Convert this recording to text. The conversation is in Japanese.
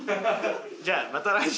じゃあまた来週。